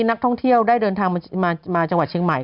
นักท่องเที่ยวได้เดินทางมาจังหวัดเชียงใหม่